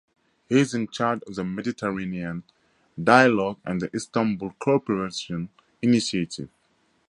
He is in charge of the Mediterranean Dialogue and the Istanbul Cooperation Initiative.